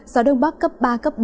gió đông bắc cấp ba bốn